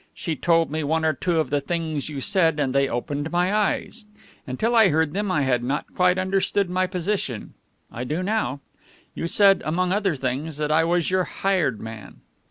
She told me one or two of the things you said, and they opened my eyes. Until I heard them, I had not quite understood my position. I do now. You said, among other things, that I was your hired man."